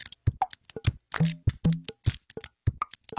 あ！